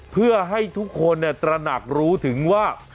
เพื่อให้ทุกคนตระหนักรู้ถึงว่า